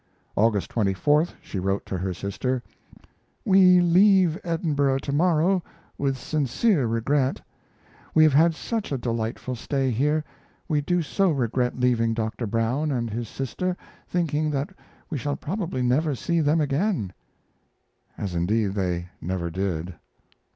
August 24th she wrote to her sister: We leave Edinburgh to morrow with sincere regret; we have had such a delightful stay here we do so regret leaving Dr. Brown and his sister, thinking that we shall probably never see them again [as indeed they never did].